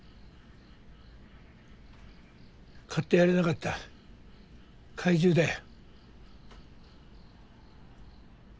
買ってやれなかった怪獣だよ。